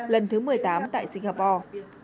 lần thứ một mươi tám tại singapore